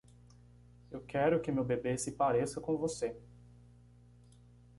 Eu quero que meu bebê se pareça com você.